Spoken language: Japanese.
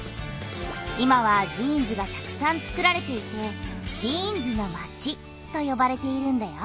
今はジーンズがたくさんつくられていて「ジーンズのまち」とよばれているんだよ。